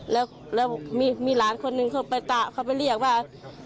แล้วมีหลานคนนึงเข้าไปตะเขาไปเรียกว่า